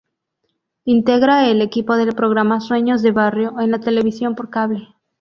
Integra el equipo del programa "Sueños de barrio" en la televisión por cable.